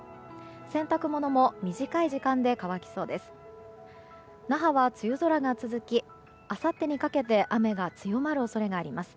洗濯物も短い時間で乾きそうです。